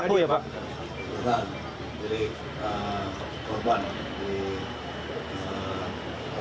pak kalau tidak ada keterkaitan